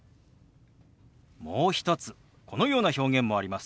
もう一つこのような表現もあります。